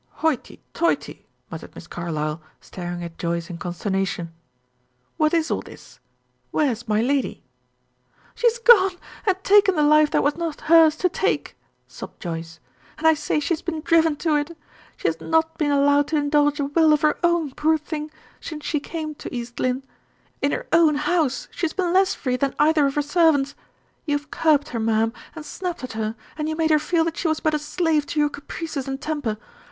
"Hoity toity!" muttered Miss Carlyle, staring at Joyce in consternation. "What is all this? Where's my lady?" "She has gone and taken the life that was not hers to take," sobbed Joyce, "and I say she has been driven to it. She has not been allowed to indulge a will of her own, poor thing, since she came to East Lynne; in her own house she has been less free than either of her servants. You have curbed her, ma'am, and snapped at her, and you made her feel that she was but a slave to your caprices and temper.